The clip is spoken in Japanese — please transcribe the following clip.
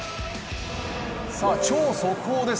超速報です。